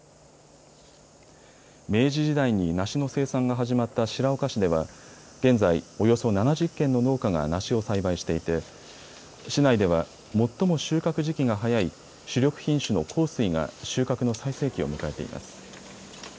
明治時代に梨の生産が始まった白岡市では現在、およそ７０軒の農家が梨を栽培していて市内では最も収穫時期が早い主力品種の幸水が収穫の最盛期を迎えています。